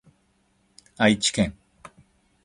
愛知県